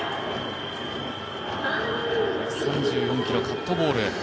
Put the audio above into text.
１３４キロ、カットボール。